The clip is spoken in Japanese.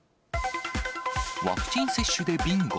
ワクチン接種でビンゴ。